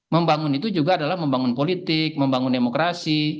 membangun itu juga adalah membangun politik membangun demokrasi